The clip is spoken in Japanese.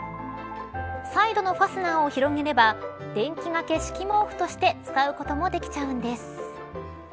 サイドのファスナーを広げれば電気掛敷毛布として使うこともできちゃうんです。